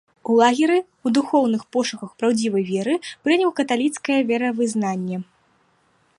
У лагеры, у духоўных пошуках праўдзівай веры, прыняў каталіцкае веравызнанне.